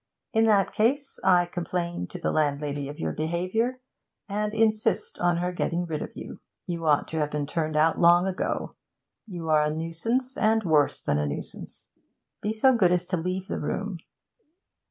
'In that case I complain to the landlady of your behaviour, and insist on her getting rid of you. You ought to have been turned out long ago. You are a nuisance, and worse than a nuisance. Be so good as to leave the room.'